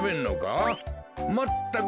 まったく！